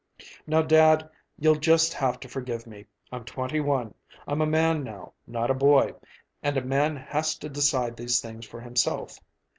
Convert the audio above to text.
Now, dad, you'll just have to forgive me. I'm twenty one. I'm a man now, not a boy, and a man has to decide these things for himself.